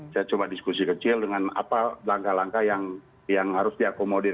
saya coba diskusi kecil dengan apa langkah langkah yang harus diakomodir